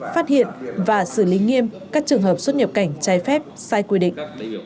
phát hiện và xử lý nghiêm các trường hợp xuất nhập cảnh trái phép sai quy định